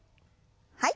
はい。